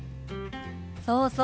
そうそう。